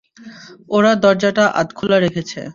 ওরা দরজাটা আধখোলা রেখেছে।